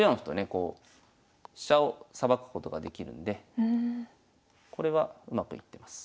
こう飛車をさばくことができるのでこれはうまくいってます。